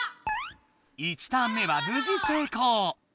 １ターン目はぶじ成功！